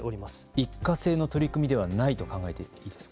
一過性の取り組みではないと考えていいですか。